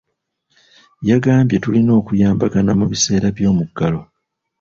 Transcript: Yagambye tulina okuyambagana mu biseera by'omuggalo.